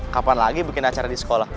kapan lagi bikin acara di sekolah